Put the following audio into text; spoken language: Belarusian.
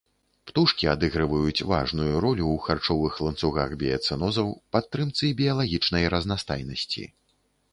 Птушкі адыгрываюць важную ролю ў харчовых ланцугах біяцэнозаў, падтрымцы біялагічнай разнастайнасці.